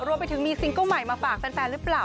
รวมไปถึงมีซิงเกิ้ลใหม่มาฝากแฟนหรือเปล่า